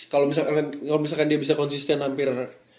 kalau misalkan dia bisa konsisten hampir